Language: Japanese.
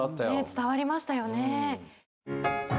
伝わりましたよね。